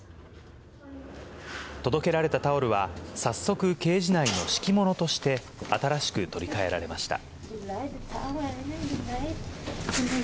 届けられたタオルは早速、ケージ内の敷物として、新しく取り替えられました。